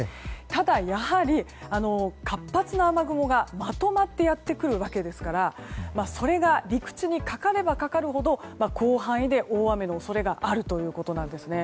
ただ、やはり、活発な雨雲がまとまってやってくるわけですからそれが陸地にかかればかかるほど広範囲で大雨の恐れがあるということです。